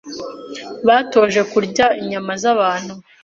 batoje kurya inyama z’abantu,